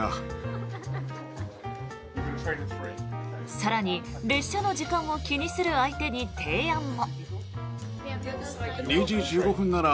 更に、列車の時間を気にする相手に提案も。